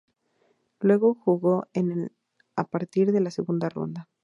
Luego jugó en el a partir de la segunda ronda.